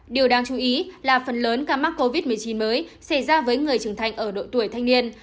điều đáng chú ý là phần lớn ca mắc covid một mươi chín mới xảy ra với người trưởng thành ở độ tuổi thanh niên